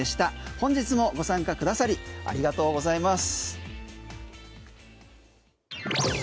本日もご参加くださりありがとうございます。